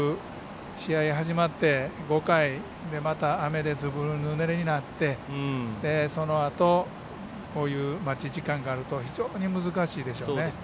試合始まって５回、また雨でずぶぬれになってそのあとこういう待ち時間があると非常に難しいですよね。